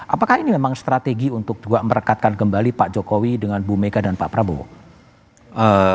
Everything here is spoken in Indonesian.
apakah ini memang strategi untuk juga merekatkan kembali pak jokowi dengan bu mega dan pak prabowo